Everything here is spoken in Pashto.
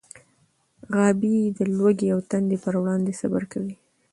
غابي د لوږې او تندې پر وړاندې صبر کوي.